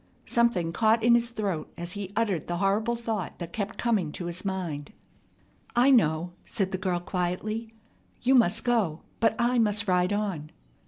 Something caught in his throat as he uttered the horrible thought that kept coming to his mind. "I know," said the girl quietly. "You must go, but I must ride on."